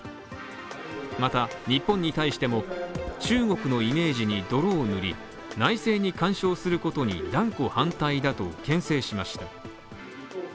また、日本に対しても中国のイメージに泥を塗り内政に干渉することに断固反対だとけん制しました。